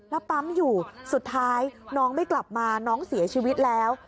แล้วปั๊มอยู่สุดท้ายน้องไม่กลับมาน้องเสียชีวิตแล้ว